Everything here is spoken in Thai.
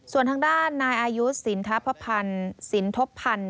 ส่วนทางด้านนายอายุสินทพพันธ์สินทบพันธ์